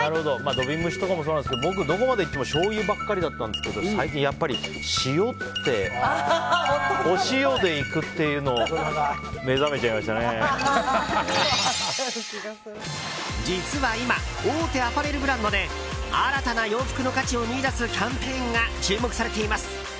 土瓶蒸しとかもそうなんですが僕、どこまでいってもしょうゆばっかりだったんですが最近やっぱりお塩でいくっていうのに実は今大手アパレルブランドで新たな洋服の価値を見いだすキャンペーンが注目されています。